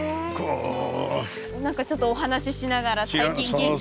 何かちょっとお話ししながら最近元気とか。